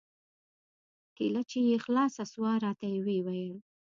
کېله چې يې خلاصه سوه راته ويې ويل.